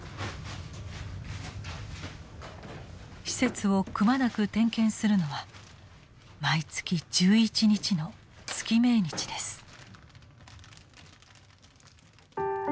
施設をくまなく点検するのは毎月１１日の月命日です。